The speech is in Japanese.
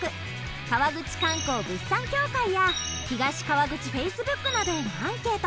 川口市観光物産協会や東川口Ｆａｃｅｂｏｏｋなどへのアンケート